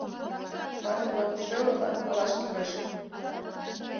Вате-влак кузе ойлат, палаш кӱлеш.